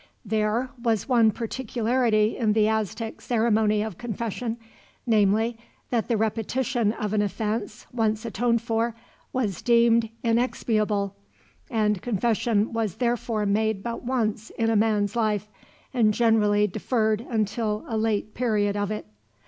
There was one peculiarity in the Aztec ceremony of confession namely, that the repetition of an offense, once atoned for, was deemed inexpiable and confession was therefore made but once in a man's life, and generally deferred until a late period of it.